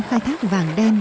khai thác vàng đen